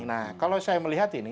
nah kalau saya melihat ini